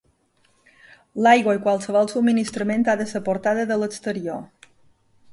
L'aigua i qualsevol subministrament ha de ser portada de l'exterior.